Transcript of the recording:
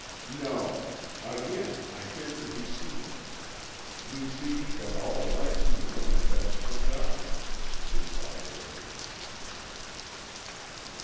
"No. Again I feared to be seen. You see that all the lights in the room had been turned on," replied Orton.